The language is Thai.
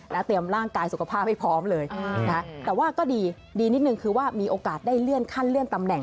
แล้วเตรียมร่างกายสุขภาพให้พร้อมเลยนะแต่ว่าก็ดีนิดนึงคือว่ามีโอกาสได้เลื่อนขั้นเลื่อนตำแหน